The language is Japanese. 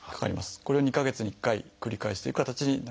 これを２か月に１回繰り返しという形になりますね。